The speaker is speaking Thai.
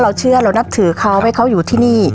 เชื่อเรานับถือเขาให้เขาอยู่ที่นี่